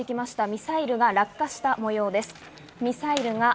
ミサイルが落下した模様です。